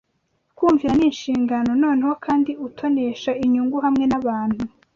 Kumvira ni inshingano noneho, Kandi utonesha inyungu hamwe n'abantu